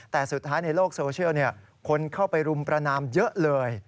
แต่สุดท้ายในโลกโซเชียลคนเข้าไปรุมประนามเยอะเลย